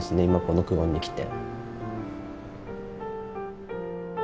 今この「久遠」に来て。